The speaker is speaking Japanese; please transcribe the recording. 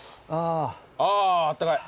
ああったかい。